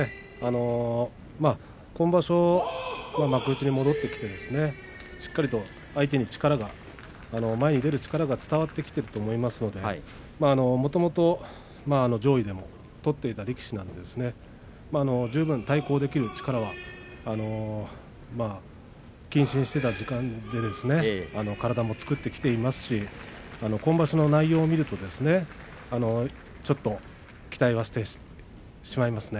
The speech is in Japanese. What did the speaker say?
今場所は幕内に戻ってきてしっかりと前に出る力が相手に伝わってきていると思いますのでもともと上位でも相撲を取っていた力士ですから十分、対抗できる力は謹慎していた時間で体も作ってきていますから今場所の内容を見ると、ちょっと期待してしまいますね。